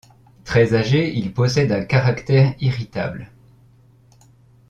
Très âgé, il possède un caractère irritable.